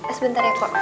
eh sebentar ya pak